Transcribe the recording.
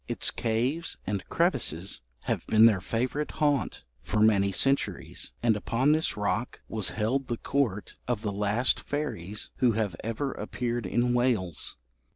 Its caves and crevices have been their favourite haunt for many centuries, and upon this rock was held the court of the last fairies who have ever appeared in Wales.